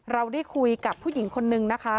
เราได้คุยกับผู้หญิงคนนึงนะคะ